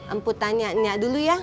emput tanya nya dulu ya